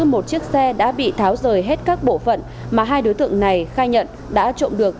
một chiếc xe đã bị tháo rời hết các bộ phận mà hai đối tượng này khai nhận đã trộm được